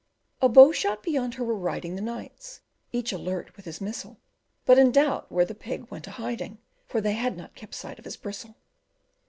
A bowshot beyond her were riding The knights, each alert with his missile, But in doubt where the pig went a hiding, For they had not kept sight of his bristle.